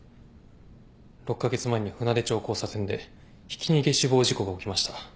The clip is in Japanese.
６カ月前に舟出町交差点でひき逃げ死亡事故が起きました。